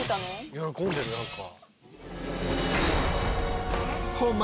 喜んでる何か。